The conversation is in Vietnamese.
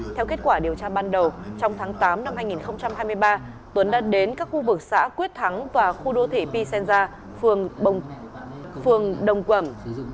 theo kết quả điều tra ban đầu trong tháng tám năm hai nghìn hai mươi ba tuấn đã đến các khu vực xã quyết thắng và khu đô thị pisenza phường đồng quẩm